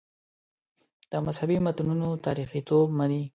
د مذهبي متنونو تاریخیتوب مني.